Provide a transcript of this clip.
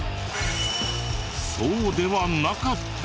そうではなかった！